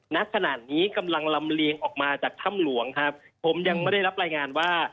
ณขณะนี้กำลังลำเลียงออกมาจากถ้ำหลวงครับผมยังไม่ได้รับรายงานว่า